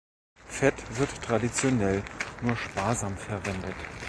Fett wird traditionell nur sparsam verwendet.